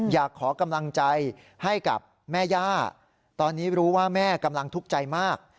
อยากขอกำลังใจให้กับแม่ย่าตอนนี้รู้ว่าแม่กำลังทุกข์ใจมาก